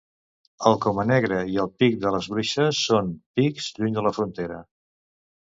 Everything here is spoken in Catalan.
El Comanegra i el Pic de les Bruixes són Pics lluny de la frontera.